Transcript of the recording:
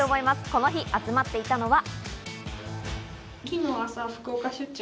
この日、集まっていたのは。